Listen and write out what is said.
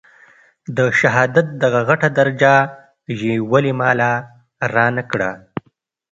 د شهادت دغه غټه درجه يې ولې ما له رانه کړه.